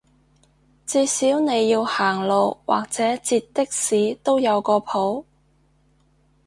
至少你要行路或者截的士都有個譜